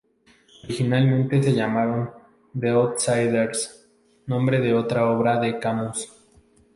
Originalmente se llamaron "The Outsiders", nombre de otra obra de Camus.